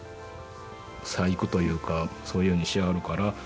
細工というかそういうふうにしはるから。